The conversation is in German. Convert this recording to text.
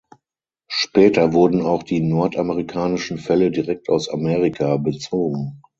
Später wurden auch die nordamerikanischen Felle direkt aus Amerika bezogen.